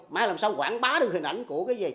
mà làm sao quảng bá được hình ảnh của cái gì